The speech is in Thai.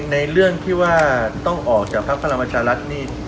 ในเรื่องที่ว่าต้องออกจากภพธรรมชาติรัตินี่